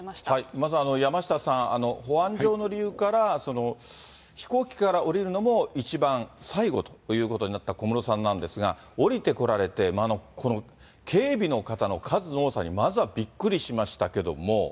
まず、山下さん、保安上の理由から、飛行機から降りるのも一番最後ということになった小室さんなんですが、降りてこられて、この警備の方の数の多さに、まずはびっくりしましたけども。